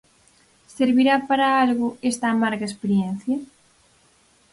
Servirá para algo esta amarga experiencia?